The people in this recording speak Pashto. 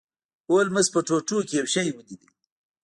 هولمز په ټوټو کې یو شی ولید.